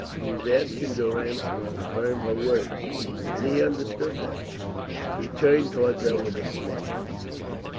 She was asking Durrance to confirm her words, and he understood that. He turned towards her with a smile.